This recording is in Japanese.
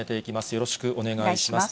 よろしくお願いします。